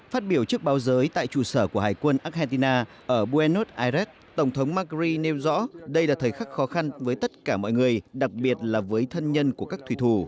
phát biểu trước báo giới tại trụ sở của hải quân argentina ở buenos aires tổng thống macri nêu rõ đây là thời khắc khó khăn với tất cả mọi người đặc biệt là với thân nhân của các thủy thủ